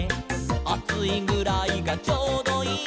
「『あついぐらいがちょうどいい』」